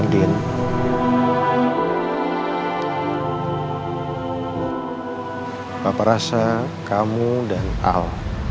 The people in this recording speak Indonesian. bapak rasa kamu dan al